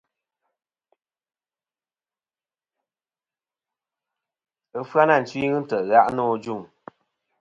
Ɨfyanatwi ghɨ ntè' gha' nô ajuŋ.